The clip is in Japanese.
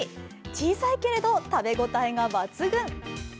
小さいけれど食べ応えが抜群。